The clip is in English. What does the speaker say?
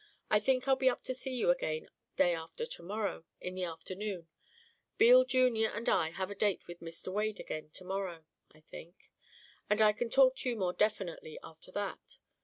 I think I'll be up to see you again day after to morrow, in the afternoon. Beale Jr. and I have a date with Mr. Wade again to morrow, I think, and I can talk to you more definitely after that.